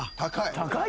高い。